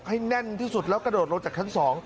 ให้แน่นที่สุดแล้วกระโดดลงจากชั้น๒